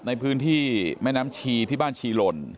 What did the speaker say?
ในพื้นที่แม่น้ำชีที่บ้านชีหล่น